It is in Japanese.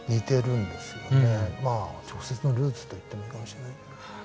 直接のルーツと言ってもいいかもしれない。